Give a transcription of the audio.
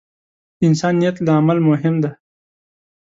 د انسان نیت له عمل مهم دی.